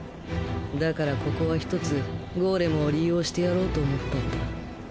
だからここはひとつゴーレムを利用してやろうと思ったんだ。